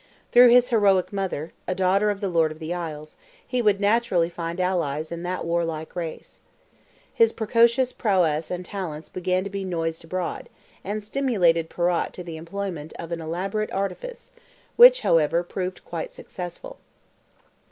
Through his heroic mother, a daughter of the Lord of the Isles, he would naturally find allies in that warlike race. His precocious prowess and talents began to be noised abroad, and stimulated Perrott to the employment of an elaborate artifice, which, however, proved quite successful.